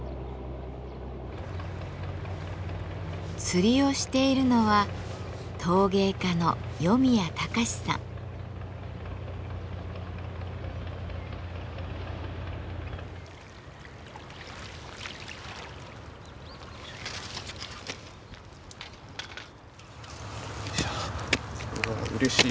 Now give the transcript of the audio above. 釣りをしているのはよいしょ。